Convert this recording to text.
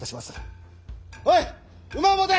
おい馬を持て！